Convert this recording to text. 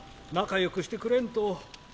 仲よくしてくれんと。